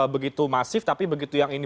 begitu masif tapi begitu yang ini